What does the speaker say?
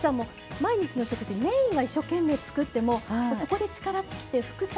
毎日の食事メインは一生懸命つくってもそこで力尽きて副菜